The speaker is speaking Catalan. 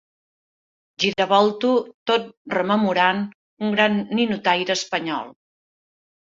Giravolto tot rememorant un gran ninotaire espanyol.